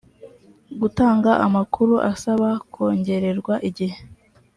gutanga amakuru asaba kongererwa igihe